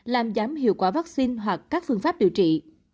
làm giảm hiệu quả vaccine hoặc các phương pháp điều trị